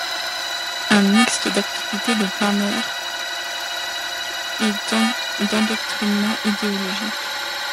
Un mixte d'activités de plein air et d'endoctrinement idéologique.